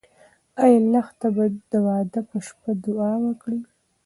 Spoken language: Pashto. ایا لښته به د واده په شپه دعا وکړي؟